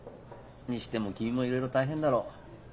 にしても君もいろいろ大変だろ？